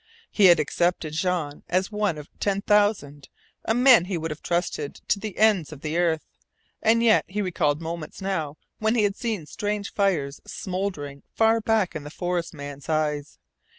He had accepted Jean as one of ten thousand a man he would have trusted to the ends of the earth, and yet he recalled moments now when he had seen strange fires smouldering far back in the forest man's eyes.